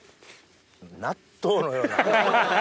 納豆のような。